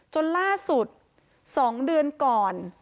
จนล่าสุด๒เดือนก่อน